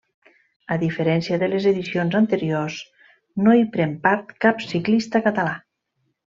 A diferència de les edicions anteriors no hi pren part cap ciclista català.